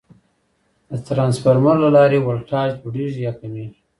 د ترانسفارمر له لارې ولټاژ لوړېږي یا کمېږي.